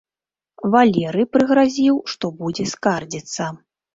Валерый прыгразіў, што будзе скардзіцца.